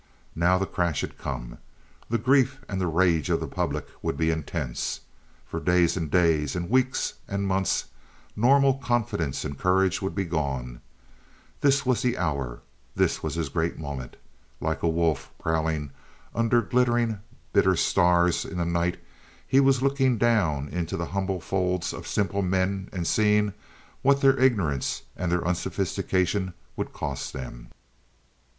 Now the crash had come. The grief and the rage of the public would be intense. For days and days and weeks and months, normal confidence and courage would be gone. This was his hour. This was his great moment. Like a wolf prowling under glittering, bitter stars in the night, he was looking down into the humble folds of simple men and seeing what their ignorance and their unsophistication would cost them.